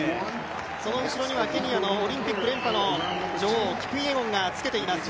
その後ろにはケニアのオリンピック連覇の女王キプイエゴンがつけています。